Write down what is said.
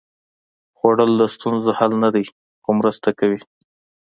خوړل د ستونزو حل نه دی، خو مرسته کوي